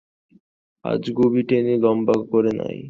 আজগুবি টেনে লম্বা করে নাই।